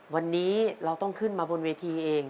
วันนี้เราต้องขึ้นมาบนเวทีเอง